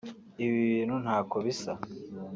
ibi bintu ntako bisa